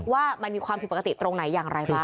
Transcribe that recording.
ว่ามันมีความผิดปกติตรงไหนอย่างไรบ้าง